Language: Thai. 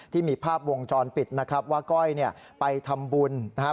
ที่มีภาพวงจรปิดนะครับว่าก้อยเนี่ยไปทำบุญนะครับ